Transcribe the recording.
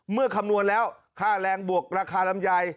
เมื่อคำนวณแล้วค่าแรงบวกราคารำยาย